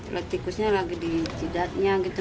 oleh tikusnya lagi di jidatnya gitu